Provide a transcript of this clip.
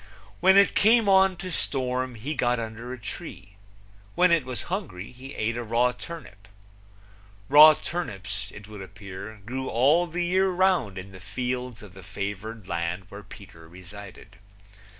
When it came on to storm he got under a tree. When he was hungry he ate a raw turnip. Raw turnips, it would appear, grew all the year round in the fields of the favored land where Peter resided.